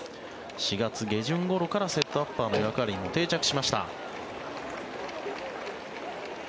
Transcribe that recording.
４月下旬ごろからセットアッパーの役割に定着しました。